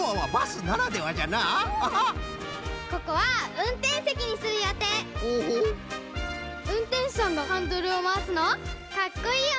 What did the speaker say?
うんてんしゅさんがハンドルをまわすのかっこいいよね！